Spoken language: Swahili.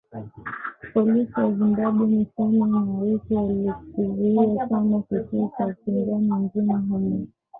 Polisi wa Zimbabwe mwishoni mwa wiki walikizuia chama kikuu cha upinzani nchini humo